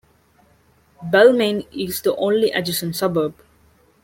Balmain is the only adjacent suburb.